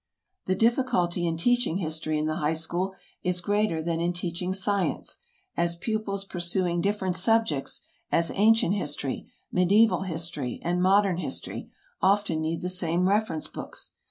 The difficulty in teaching history in the high school is greater than in teaching science, as pupils pursuing different subjects, as ancient history, medieval history and modern history, often need the same reference books.